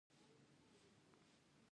د سپینو زرو ګاڼې هم کارول کیږي.